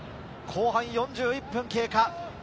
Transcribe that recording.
後半４１分経過。